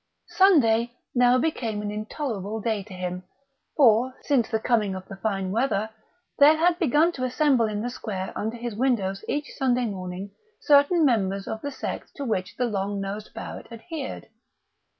Sunday now became an intolerable day to him, for, since the coming of the fine weather, there had begun to assemble in the square under his windows each Sunday morning certain members of the sect to which the long nosed Barrett adhered.